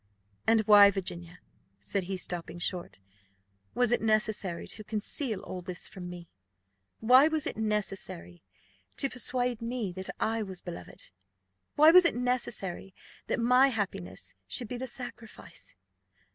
"And why, Virginia," said he, stopping short, "was it necessary to conceal all this from me? Why was it necessary to persuade me that I was beloved? Why was it necessary that my happiness should be the sacrifice?"